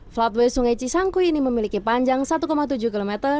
flatway sungai cisangkui ini memiliki panjang satu tujuh km